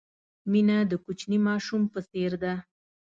مینه د کوچني ماشوم په څېر ده.